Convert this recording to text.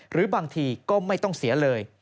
หรือบางทีก็ไม่ต้องเสียเลย